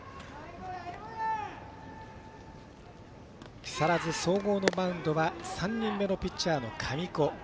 木更津総合のマウンドは３人目のピッチャーの神子。